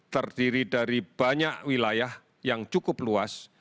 terdiri dari banyak wilayah yang cukup luas